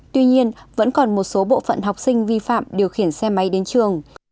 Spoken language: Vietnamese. tuy nhiên vẫn còn một số bộ phận học sinh vi phạm điều khiển xe máy đến trường